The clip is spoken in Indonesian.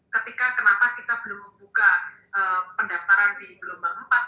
ketika kenapa kita belum membuka pendaftaran di gelombang empat